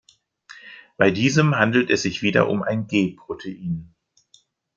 Bei diesem handelt es sich wieder um ein G-Protein.